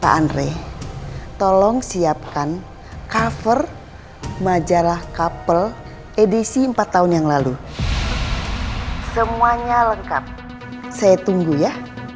pak andre tolong siapkan cover majalah couple edisi empat tahun yang lalu semuanya lengkap saya tunggu ya